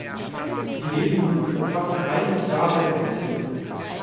Sie leben nun schon fast dreißig Jahre im Exil.